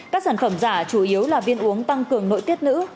các sản phẩm giả chủ yếu là viên uống tăng cường nội tiết nữ